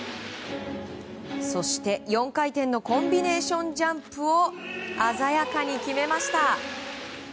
そして４回転のコンビネーションジャンプを鮮やかに決めました。